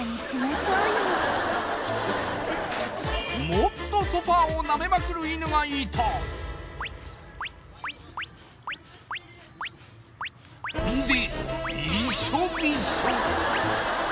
もっとソファーを舐めまくる犬がいたんで！